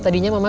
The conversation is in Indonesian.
tidak tak bisa